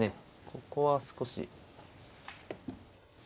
ここは少し。